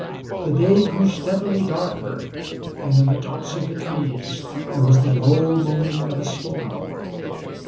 The day grew steadily darker and in the tops of the trees there was the low moaning of a storm.